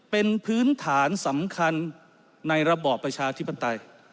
เป็นพื้นฐานสำคัญในระบอบประชาธิปไตย